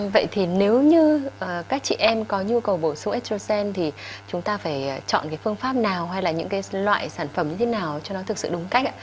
vậy thì nếu như các chị em có nhu cầu bổ sung estrogen thì chúng ta phải chọn phương pháp nào hay là những loại sản phẩm như thế nào cho nó thực sự đúng cách